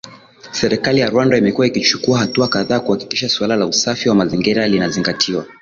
Serikali ya Rwanda imekuwa ikichukua hatua kadhaa kuhakikisha suala la usafi wa mazingira linazingatiwa